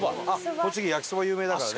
栃木焼きそば有名だからね。